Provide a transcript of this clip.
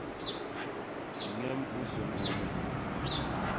Ñem u nsôñgôô me.